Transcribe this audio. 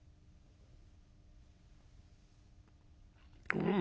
「うん。